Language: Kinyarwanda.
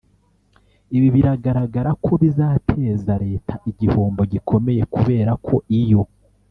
Ibi biragaragara ko bizateza Leta igihombo gikomeye kubera ko iyo